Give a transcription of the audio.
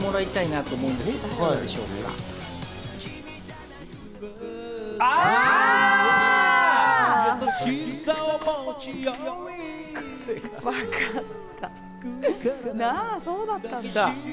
なんだ、そうだったんだ。